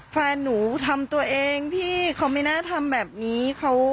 แฟนหนูทำตัวเองพี่เขาไม่น่าทำแบบนี้